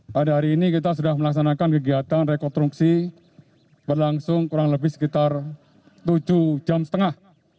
pada hari ini kita sudah melaksanakan kegiatan rekonstruksi berlangsung kurang lebih sekitar tujuh jam setengah